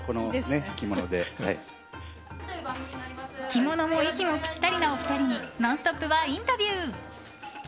着物も息もぴったりなお二人に「ノンストップ！」はインタビュー。